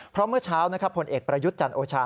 เพราะเมื่อเช้าผลเอกประยุทธ์จันทร์โอชา